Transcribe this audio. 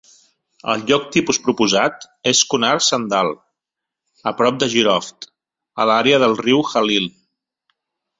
El lloc tipus proposat és Konar Sandal, a prop de Jiroft, a l'àrea del riu Halil.